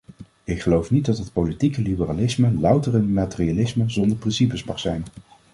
Ik geloof niet dat het politiek liberalisme louter een materialisme zonder principes mag zijn.